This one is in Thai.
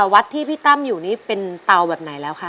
วัดที่พี่ตั้มอยู่นี่เป็นเตาแบบไหนแล้วคะ